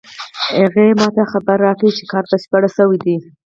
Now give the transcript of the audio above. هغې ما ته خبر راکړ چې کار بشپړ شوی ده